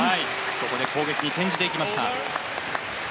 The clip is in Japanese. ここで攻撃に転じていきました。